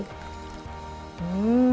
atau di atasnya